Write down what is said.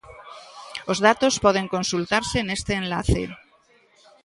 Os datos poden consultarse neste enlace.